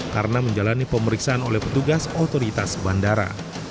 karena menjalani pemeriksaan oleh petugas otoritas bandara